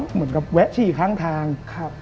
เหมือนกับแวะฉี่ข้างทาง